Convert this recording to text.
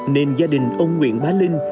nên gia đình ông nguyễn bá linh